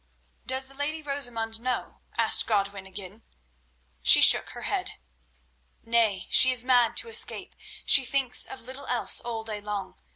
"Does the lady Rosamund know?" asked Godwin again. She shook her head. "Nay, she is mad to escape; she thinks of little else all day long.